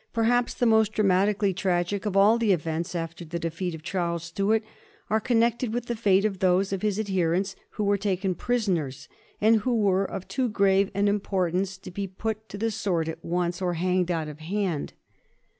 Perhaps the most dramatically tragic of all the events after the defeat of Charles Stuart are connected with the fate of those of his adherents who were taken prisoners, and who were of too grave an importance to be put to the sword at once or hanged out of hand.